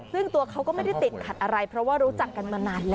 ซึ่งตัวเขาก็ไม่ได้ติดขัดอะไรเพราะว่ารู้จักกันมานานแล้ว